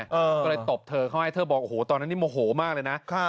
ก็เลยตบเธอเขาให้เธอบอกโอ้โหตอนนั้นนี่โมโหมากเลยนะ